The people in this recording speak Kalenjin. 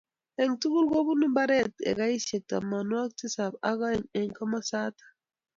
eng tugul kobou mbaret ekaisiek tomonwokik tisab ak aeng eng komosato